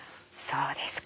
そうですか。